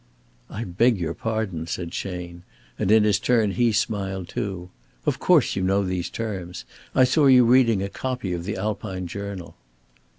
"I beg your pardon," said Chayne, and in his turn he smiled too. "Of course you know these terms. I saw you reading a copy of the 'Alpine Journal.'"